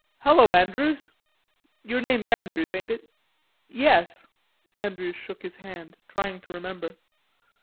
"Hello, Andrews.... Your name's Andrews, ain't it?" "Yes." Andrews shook his hand, trying to remember.